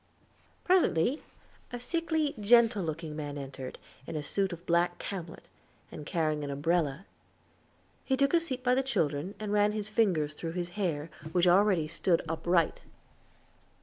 Presently a sickly, gentle looking man entered, in a suit of black camlet, and carrying an umbrella; he took a seat by the children, and ran his fingers through his hair, which already stood upright.